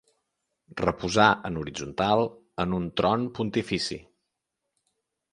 Reposar en horitzontal en un tron pontifici.